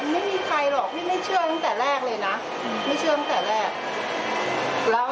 ไม่มีใครหรอกพี่ไม่เชื่อตั้งแต่แรกเลยนะไม่เชื่อตั้งแต่แรกแล้ว